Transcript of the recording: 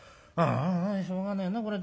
あああしょうがねえなこれ。